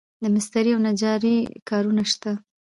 د مسترۍ او نجارۍ کارونه شته